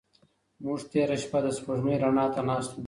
موږ تېره شپه د سپوږمۍ رڼا ته ناست وو.